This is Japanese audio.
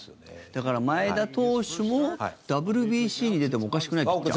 だから前田投手もＷＢＣに出てもおかしくないピッチャー？